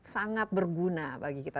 sangat berguna bagi kita